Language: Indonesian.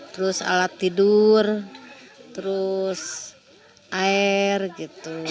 terus alat tidur terus air gitu